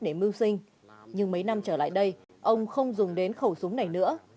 để mưu sinh nhưng mấy năm trở lại đây ông không dùng đến khẩu súng này nữa